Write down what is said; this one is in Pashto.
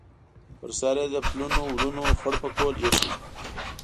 پر سر یې د پلنو ولونو خړ پکول ایښی و.